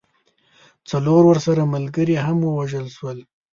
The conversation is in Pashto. څلور ورسره ملګري هم ووژل سول.